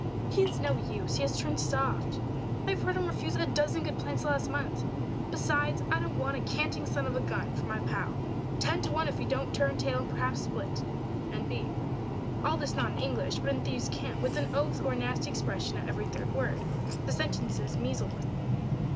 "He is no use, he has turned soft. I have heard him refuse a dozen good plants the last month. Besides, I don't want a canting son of a gun for my pal ten to one if he don't turn tail and perhaps split." N. B. All this not in English, but in thieve's cant, with an oath or a nasty expression at every third word. The sentences measled with them.